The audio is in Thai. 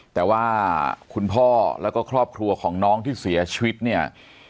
แต่ว่าคุณพ่อแล้วก็ครอบครัวของน้องที่เสียชีวิตเนี่ย